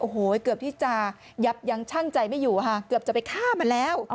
โอ้โหเกือบที่จะยับยั้งช่างใจไม่อยู่ค่ะเกือบจะไปฆ่ามันแล้ว